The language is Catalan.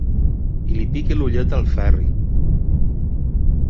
I li pica l'ullet al Ferri.